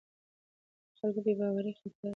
د خلکو بې باوري خطر لري